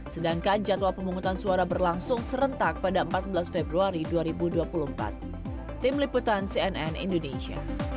sedangkan jadwal pemungutan suara berlangsung serentak pada empat belas februari dua ribu dua puluh empat